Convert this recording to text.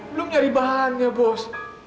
belum nyari bahannya bos